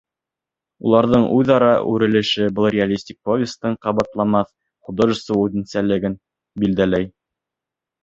Уларҙың үҙ-ара үрелеше был реалистик повестың ҡабатланмаҫ художество үҙенсәлеген билдәләй.